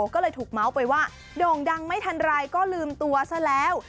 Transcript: ก็เลยถูกเมาส์ไปว่าโด่งดังไม่ทันไรก็ลืมตัวซะแล้ว